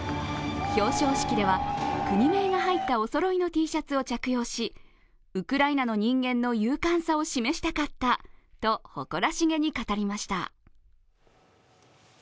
表彰式では国名が入ったおそろいのＴシャツを着用しウクライナの人間の勇敢さを示したかったと誇らしげに語りました。